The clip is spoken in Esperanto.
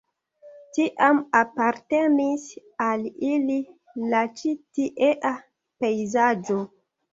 Tiam apartenis al ili la ĉi tiea pejzaĝo.